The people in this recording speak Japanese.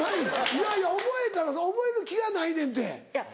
いやいや覚えたら覚える気がないねんって。